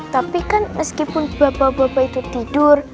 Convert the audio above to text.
tapi kan meskipun bapak bapak itu tidur